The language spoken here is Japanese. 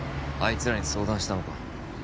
いつらに相談したのか？